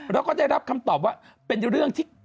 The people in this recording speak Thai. แล้วก็ได้รับคำตอบว่าเป็นเรื่องที่